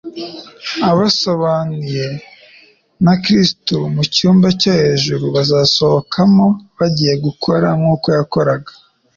Abasabaniye na Kristo mu cyumba cyo hejuru bazasohokamo bagiye gukora nk'uko yakoraga.